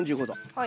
はい。